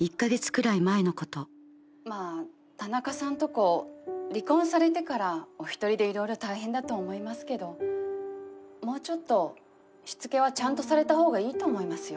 田中さんとこ離婚されてからお一人で色々大変だと思いますけどもうちょっとしつけはちゃんとされた方がいいと思いますよ。